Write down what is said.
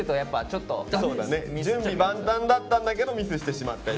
準備万端だったんだけどミスしてしまった。